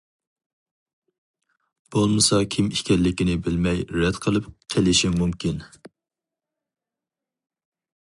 بولمىسا كىم ئىكەنلىكىنى بىلمەي رەت قىلىپ قېلىشىم مۇمكىن.